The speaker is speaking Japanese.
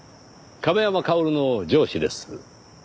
亀山薫の上司です。